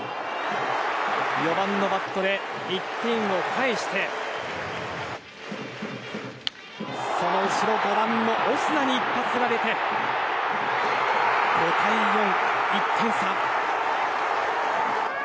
４番のバットで１点を返してその後ろ、５番のオスナに一発が出て５対４、１点差。